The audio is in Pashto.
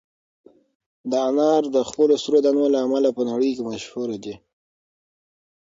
دا انار د خپلو سرو دانو له امله په نړۍ کې مشهور دي.